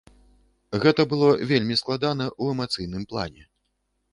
Гэта было вельмі складана ў эмацыйным плане.